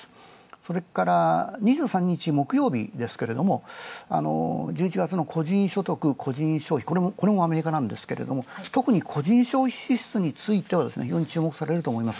それから２３日、木曜日ですけれども１１月の個人所得、個人消費、これもアメリカなんですが、特に個人消費指数については、非常に注目されると思います。